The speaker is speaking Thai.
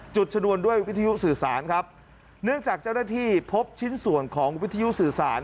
ชนวนด้วยวิทยุสื่อสารครับเนื่องจากเจ้าหน้าที่พบชิ้นส่วนของวิทยุสื่อสาร